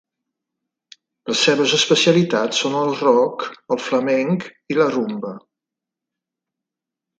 Les seves especialitats són el rock, el flamenc i la rumba.